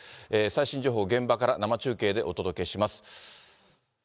最新情報、現場から生中継でお届けします。